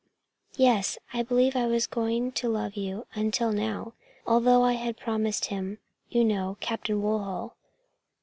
"Yes! I believe I was going to love you, until now, although I had promised him you know Captain Woodhull.